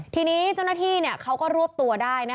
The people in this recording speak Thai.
ทีนี้เจ้าหน้าที่เขาก็รวบตัวได้